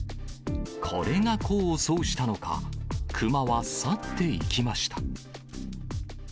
これが功を奏したのか、熊は去っていきました。